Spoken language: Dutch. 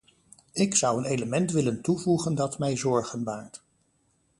Ik zou een element willen toevoegen dat mij zorgen baart.